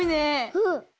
うん。